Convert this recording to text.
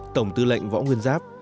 tổng tư lệnh võ nguyên giáp